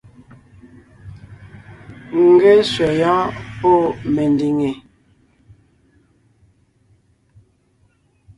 N ge sẅɛ yɔ́ɔn pɔ́ mendìŋe!